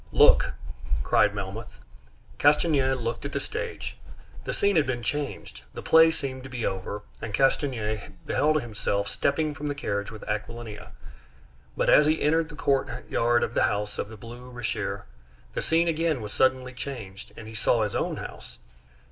"Look!" cried Melmoth. Castanier looked at the stage. The scene had been changed. The play seemed to be over, and Castanier beheld himself stepping from the carriage with Aquilina; but as he entered the courtyard of the house in the Rue Richer, the scene again was suddenly changed, and he saw his own house.